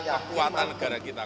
kekuatan negara kita